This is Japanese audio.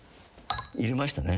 入れましたね。